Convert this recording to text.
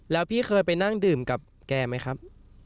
แล้วพี่เคยไปนั่งดื่มกับแกไหมครับ